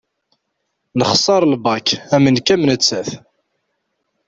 Nexser lbak am nekk am nettat.